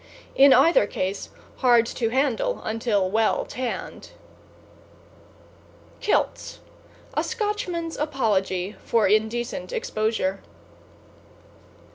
In either case, hard to handle until well tanned. =KILTS= A Scotchman's apology for indecent exposure.